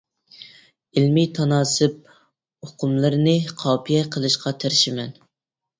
ئىلمىي تاناسىپ ئۇقۇملىرىنى قاپىيە قىلىشقا تىرىشىمەن.